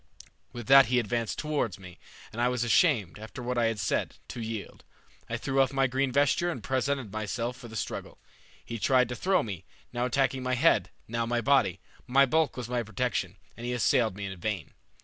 With that he advanced towards me, and I was ashamed, after what I had said, to yield. I threw off my green vesture and presented myself for the struggle. He tried to throw me, now attacking my head, now my body. My bulk was my protection, and he assailed me in vain.